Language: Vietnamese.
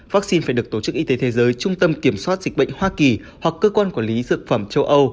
vaccine phải được tổ chức y tế thế giới trung tâm kiểm soát dịch bệnh hoa kỳ hoặc cơ quan quản lý dược phẩm châu âu